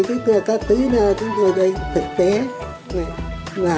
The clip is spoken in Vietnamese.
dạ trên phần trăm